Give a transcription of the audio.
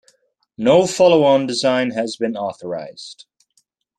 No follow-on design has been authorized.